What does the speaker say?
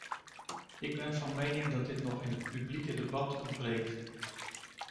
Ik ben van mening dat dit nog in het publieke debat ontbreekt.